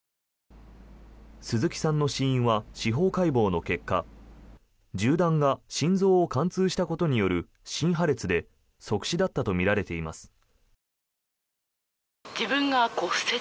鈴木さんの死因は司法解剖の結果銃弾が心臓を貫通したことによる心破裂で即死だったとみられています。